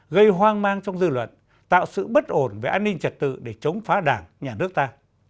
gây hoang mang trong dư luận tạo sự bất ổn về an ninh trật tự để chống phá đảng nhà nước ta